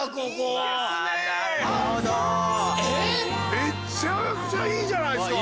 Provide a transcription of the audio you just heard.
めちゃくちゃいいじゃないですか！